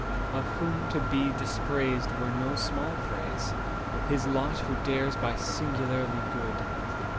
Of whom to be dispraised were no small praise— His lot who dares be singularly good.